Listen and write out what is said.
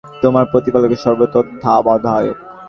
তোমার প্রতিপালক সর্ব বিষয়ের তত্ত্বাবধায়ক।